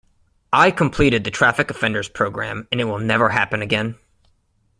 I completed the traffic offenders program and it will never happen again.